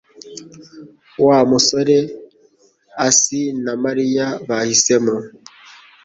Wa musoreasi na Mariya bahisemo